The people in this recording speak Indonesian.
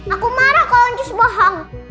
aku marah kalau oncis bohong